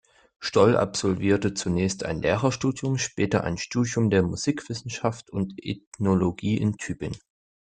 Stoll absolvierte zunächst ein Lehrerstudium, später ein Studium der Musikwissenschaft und Ethnologie in Tübingen.